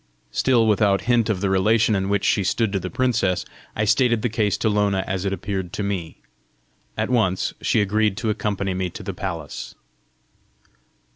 Still without hint of the relation in which she stood to the princess, I stated the case to Lona as it appeared to me. At once she agreed to accompany me to the palace.